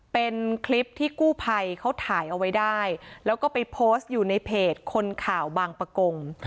เป็นคลิปที่กู้ภัยเขาถ่ายเอาไว้ได้แล้วก็ไปโพสต์อยู่ในเพจคนข่าวบางประกง